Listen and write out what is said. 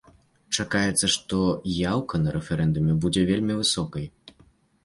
Чакаецца, што яўка на рэферэндуме будзе вельмі высокай.